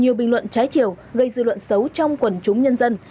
nhiều bình luận trái chiều gây dư luận xấu trong quần chúng nhân dân